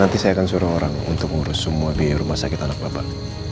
nanti saya akan suruh orang untuk mengurus semua di rumah sakit anak bapak